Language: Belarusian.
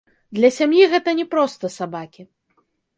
Для сям'і гэта не проста сабакі.